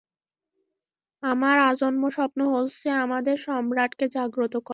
আমার আজন্ম স্বপ্ন হচ্ছে আমাদের সম্রাটকে জাগ্রত করা!